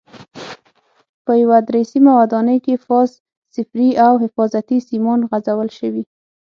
په یوه درې سیمه ودانۍ کې فاز، صفري او حفاظتي سیمان غځول شوي.